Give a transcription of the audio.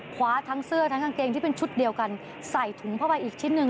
คว้าทั้งเสื้อทั้งกางเกงที่เป็นชุดเดียวกันใส่ถุงเข้าไปอีกชิ้นหนึ่ง